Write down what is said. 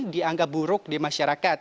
dianggap buruk di masyarakat